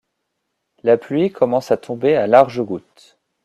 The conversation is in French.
La pluie commence à tomber à larges gouttes.